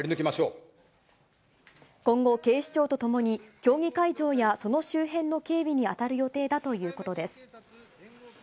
今後、警視庁と共に、競技会場やその周辺の警備に当たる予定だということです。